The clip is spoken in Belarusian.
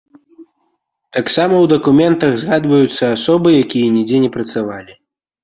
Таксама ў дакументах згадваюцца асобы, якія нідзе не працавалі.